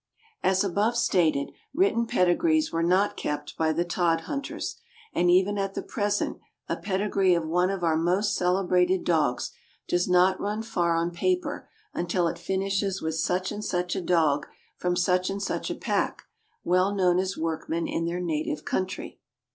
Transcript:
As above stated, written pedigrees were not kept by the tod hunters; and even at the present a pedigree of one of our most celebrated dogs does not run far on paper until it finishes with such and such a dog, from such and such a pack, well known as workmen in their native country.